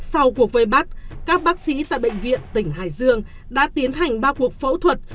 sau cuộc vây bắt các bác sĩ tại bệnh viện tỉnh hải dương đã tiến hành ba cuộc phẫu thuật